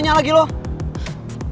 kamu mau bisa jalan